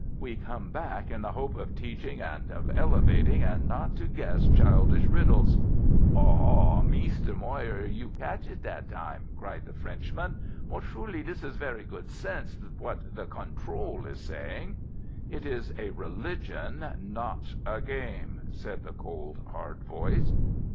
"We come back in the hope of teaching and of elevating, and not to guess childish riddles." "Ha, ha, Meester Moir, you catch it that time," cried the Frenchman. "But surely this is very good sense what the Control is saying." "It is a religion, not a game," said the cold, hard voice.